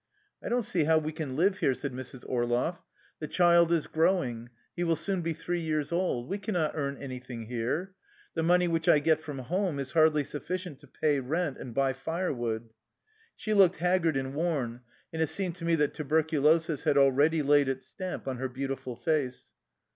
" I don't see how we can live here," said Mrs. Orloff. " The child is growing ; he will soon be three years old. We can not earn anything here. The money which I get from home is hardly sufficient to pay rent and buy fire wood." She looked haggard and worn, and it seemed to me that tuberculosis had already laid its stamp on her beautiful face.